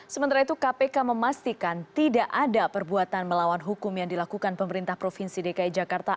sementara itu kpk memastikan tidak ada perbuatan melawan hukum yang dilakukan pemerintah provinsi dki jakarta